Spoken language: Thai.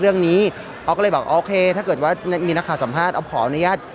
ออฟก็เลยบอกโอเคถ้าเกิดว่ามีนักข่าวสัมภาษณ์ออฟขออนุญาต